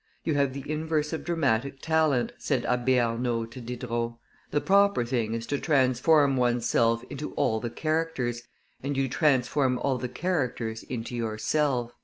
"You have the inverse of dramatic talent," said Abbe Arnauld to Diderot; "the proper thing is to transform one's self into all the characters, and you transform all the characters into yourself."